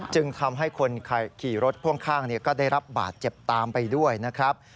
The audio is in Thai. จึงทำให้คนขี่รถพ่วงข้างก็ได้รับบาดเจ็บตามไปด้วยนะครับ